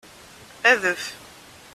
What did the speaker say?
Adef.